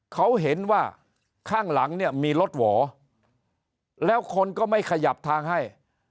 เขาเห็นว่าข้างหลังเนี่ยมีรถหวอแล้วคนก็ไม่ขยับทางให้